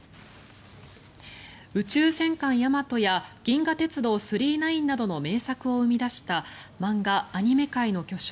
「宇宙戦艦ヤマト」や「銀河鉄道９９９」などの名作を生み出した漫画・アニメ界の巨匠